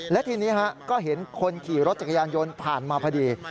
และทีนี้ก็เห็นคนขี่รถจักรยานยนต์ผ่านมาพอดี